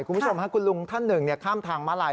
คุณผู้ชมคุณลุงท่านหนึ่งข้ามทางมาลาย